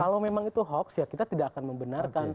kalau memang itu hoax ya kita tidak akan membenarkan